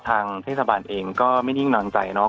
ทางเทศบาลเองก็ไม่นิ่งนอนใจเนาะ